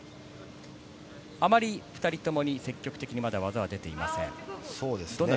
あまり２人ともに積極的にまだ技は出ていません。